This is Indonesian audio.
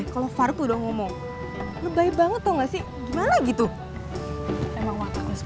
kalau fark udah ngomong lebih banget tengah sih gimana gitu memang